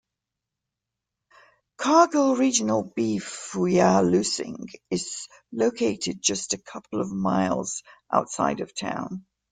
Cargill regional beef Wyalusing is located just a couple miles outside of town.